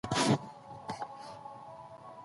د بېلتانه تبې نيولی ، دا چې ئې رپي د وجود ټول اندامونه